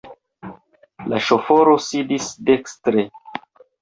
La ŝoforo sidis dekstre.